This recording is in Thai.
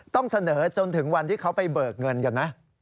ต้องเสนอจนถึงวันที่เขาไปเบิกเงินกันไหม